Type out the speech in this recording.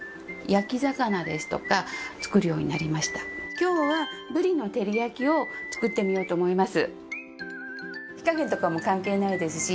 今日はぶりの照り焼きを作ってみようと思います。